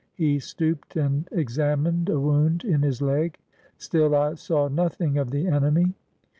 He stooped and examined a wound in his leg. Still, I saw nothing of the enemy.